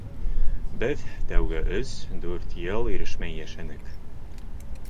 Беҙ тәүге өс, дүрт йыл ирешмәй йәшәнек.